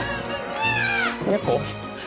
猫？